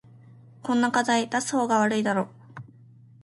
こんな課題出す方が悪いだろ